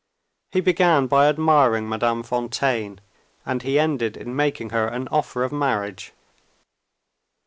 He began by admiring Madame Fontaine; and he ended in making her an offer of marriage."